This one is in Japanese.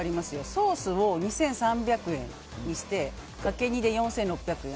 ソースを２３００円にしてかける２で４６００円。